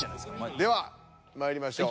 ではまいりましょう。